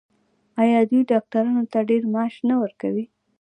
آیا دوی ډاکټرانو ته ډیر معاش نه ورکوي؟